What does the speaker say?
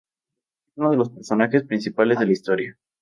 Es uno de los personajes principales de la historia.